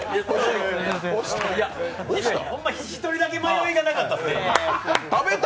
ほんまに１人だけ迷いがなかった。